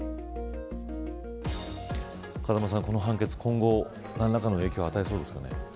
風間さん、この判決今後何らかの影響を与えそうですよね。